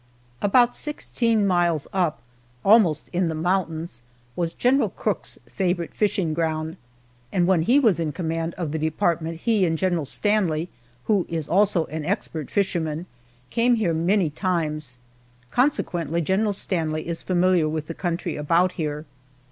About sixteen miles up almost in the mountains was General Crook's favorite fishing ground, and when he was in command of the department he and General Stanley, who also is an expert fisherman, came here many times, consequently General Stanley is familiar with the country about here.